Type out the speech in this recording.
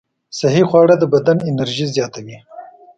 صحي خواړه د بدن انرژي زیاتوي.